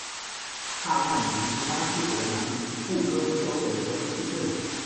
帕纳米林是巴西伯南布哥州的一个市镇。